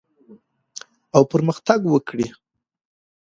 او پرمختګ وکړي